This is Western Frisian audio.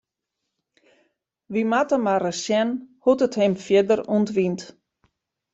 Wy moatte mar ris sjen hoe't it him fierder ûntwynt.